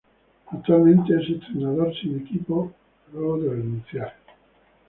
Actualmente es entrenador sin equipo luego de renunciar.